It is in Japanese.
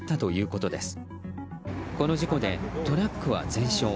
この事故でトラックは全焼。